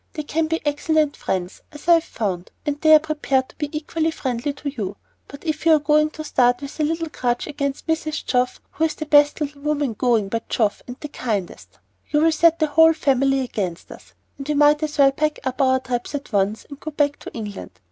They can be excellent friends, as I've found, and they are prepared to be equally friendly to you; but if you're going to start with a little grudge against Mrs. Geoff, who's the best little woman going, by Jove, and the kindest, you'll set the whole family against us, and we might as well pack up our traps at once and go back to England.